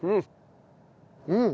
うん！